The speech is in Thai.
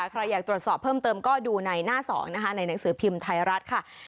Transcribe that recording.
ใครอยากตรวจสอบเพิ่มเติมก็ดูในหน้าสองนะคะในหนังสือพิมพ์ไทยรัฐค่ะ